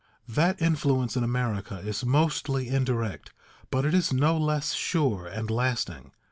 That influence in America is mostly indirect, but it is no less sure and lasting.